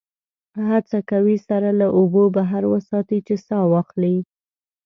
هڅه کوي سر له اوبو بهر وساتي چې سا واخلي.